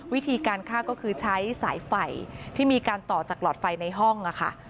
วิธีการฆ่าก็คือใช้สายไฟที่มีการต่อจากหลอดไฟในห้องค่ะ